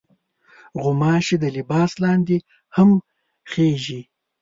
غوماشې د لباس لاندې هم خېژي.